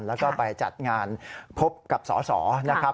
แล้วก็ไปจัดงานพบกับสสนะครับ